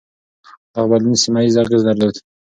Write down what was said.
دغه بدلون سيمه ييز اغېز درلود.